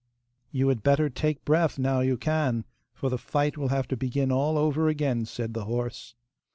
'You had better take breath now you can, for the fight will have to begin all over again,' said the horse.